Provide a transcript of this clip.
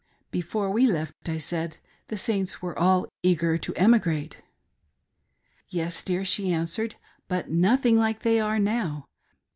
" Before we left," I said, " the Saints were all eager to emigrate." " Yes, dear," she answered, " but nothing like they are now.